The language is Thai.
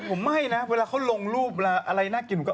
ผมไม่นะเวลาเขาลงรูปอะไรน่ากินผมก็